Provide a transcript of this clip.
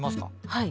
はい。